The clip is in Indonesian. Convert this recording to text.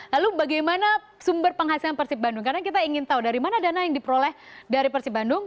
lalu bagaimana sumber penghasilan persib bandung karena kita ingin tahu dari mana dana yang diperoleh dari persib bandung